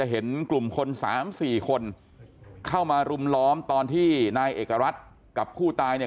เห็นกลุ่มคนสามสี่คนเข้ามารุมล้อมตอนที่นายเอกรัฐกับผู้ตายเนี่ย